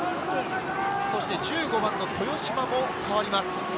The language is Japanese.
そして１５番の豊嶋も代わります。